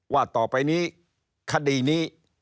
ว่าต่อไปนี้